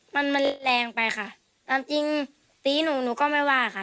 มันแรงไปค่ะจริงตีหนูหนูก็ไม่ว่าค่ะ